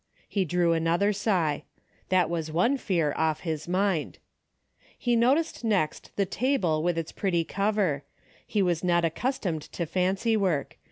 He drew another sigh. That was one fear off his mind. He noticed next the table with its pretty cover. He was not accustomed to fancy work.